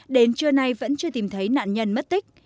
đến trưa nay vẫn chưa tìm thấy nạn nhân mất tích